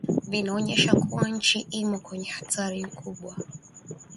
vinaonyesha kuwa nchi imo kwenye hatari kubwa